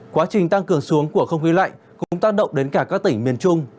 quá trình tăng cường xuống của không khí lạnh cũng tác động đến cả các tỉnh miền trung